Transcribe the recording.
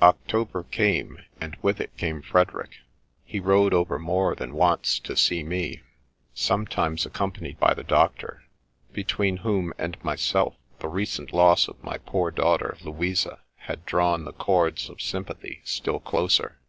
October came, and with it came Frederick : he rode over more than once to see me, sometimes accompanied by the Doctor, between whom and myself the recent loss of my poor daughter Louisa had drawn the cords of sympathy still closer.